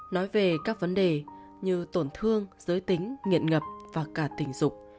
nói về các vấn đề như tổn thương giới tính nghiện ngập và cả tình dục